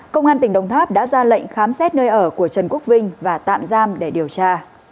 công an tỉnh đồng tháp đã ra lệnh khám xét nơi ở của trần quốc vinh và tạm giam để điều tra